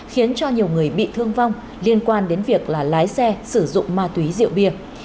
khiến cho nhiều người bị thương vong liên quan đến việc là lái xe sử dụng ma túy rượu bia